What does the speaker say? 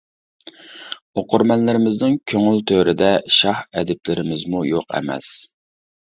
ئوقۇرمەنلىرىمىزنىڭ كۆڭۈل تۆرىدە شاھ ئەدىبلىرىمىزمۇ يوق ئەمەس.